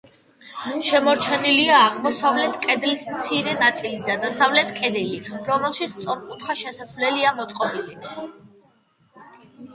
შემორჩენილია აღმოსავლეთ კედლის მცირე ნაწილი და დასავლეთ კედელი, რომელშიც სწორკუთხა შესასვლელია მოწყობილი.